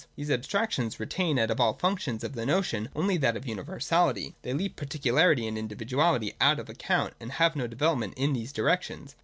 These abstractions re tain out of all the functions of the notion only that of universality; they leave particularity and individuality out of account and have no development in these directions.